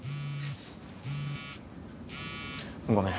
ごめん。